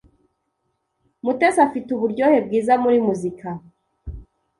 Mutesi afite uburyohe bwiza muri muzika.